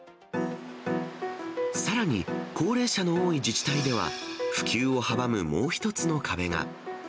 さらに高齢者の多い自治体では、普及を阻むもう一つの壁が。